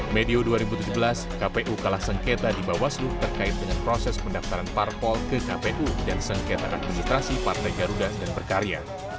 medio dua ribu tujuh belas kpu kalah sengketa di bawaslu terkait dengan proses pendaftaran parpol ke kpu dan sengketa administrasi partai garuda dan berkarya